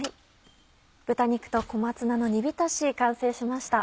豚肉と小松菜の煮びたし完成しました。